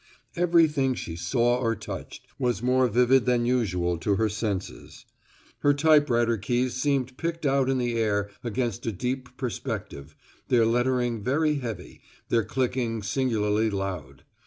Everything she saw or touched was more vivid than usual to her senses. Her typewriter keys seemed picked out in the air against a deep perspective, their lettering very heavy, their clicking singularly loud.